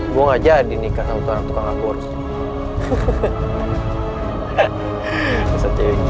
bu gak jadi nikah sama orang dua yang gak boros